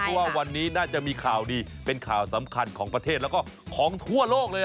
เพราะว่าวันนี้น่าจะมีข่าวดีเป็นข่าวสำคัญของประเทศแล้วก็ของทั่วโลกเลย